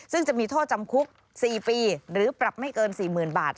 ซึ่งจะมีโทษจำคุก๔ปีหรือปรับไม่เกิน๔๐๐๐บาท